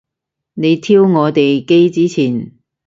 你挑我哋機之前